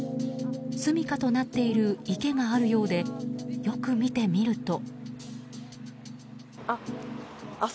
すみかとなっている池があるようで、よく見てみると。